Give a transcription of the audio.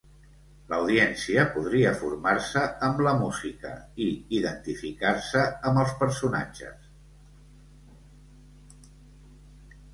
L'audiència podria formar-se amb la música i identificar-se amb els personatges.